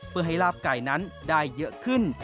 เพื่อให้ลาบไก่นั้นได้เยอะขึ้น